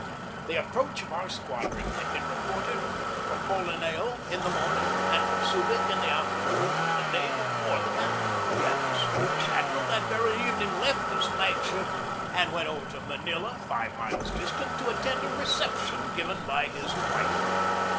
The approach of our squadron had been reported from Bolinao in the morning and from Subig in the afternoon the day before the battle, yet the Spanish admiral that very evening left his flag ship and went over to Manila, five miles distant, to attend a recep tion given by his wife.